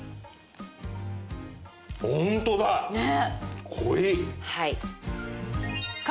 ホントだ！ねえ。